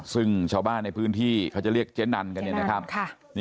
ซึ่งชาวบ้านในพื้นที่เขาจะเรียกเจนัน